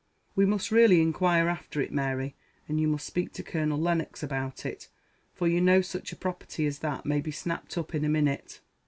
We must really inquire after it, Mary, and you must speak to Colonel Lennox about it, for you know such a property as that may be snapped up in a minute."